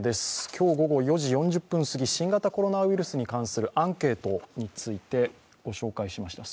今日午後４時４０分過ぎ、新型コロナウイルスに関するアンケートについてご紹介しました。